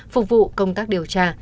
phục vụ công tác điều tra